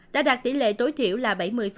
đã đạt tỷ lệ tối thiểu là bảy mươi